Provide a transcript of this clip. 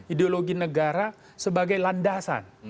ideologi negara sebagai landasan